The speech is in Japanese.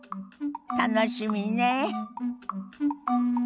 楽しみねえ。